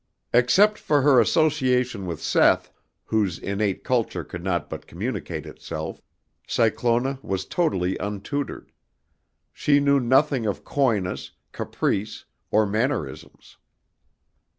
Except for her association with Seth, whose innate culture could not but communicate itself, Cyclona was totally untutored. She knew nothing of coyness, caprice or mannerisms.